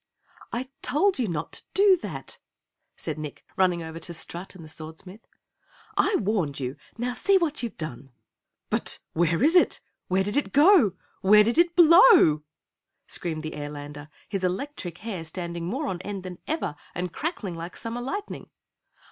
"I told you not to do that," said Nick, running over to Strut and the Swordsmith. "I warned you! Now see what you've done!" "But where is it? Where did it go? Where did it BLOW?" screamed the Airlander, his electric hair standing more on end than ever and crackling like summer lightning.